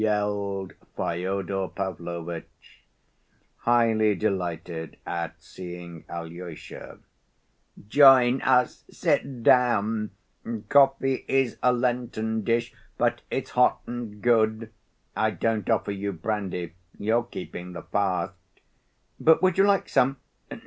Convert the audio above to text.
yelled Fyodor Pavlovitch, highly delighted at seeing Alyosha. "Join us. Sit down. Coffee is a lenten dish, but it's hot and good. I don't offer you brandy, you're keeping the fast. But would you like some?